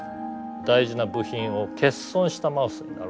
大事な部品を欠損したマウスになるわけですね。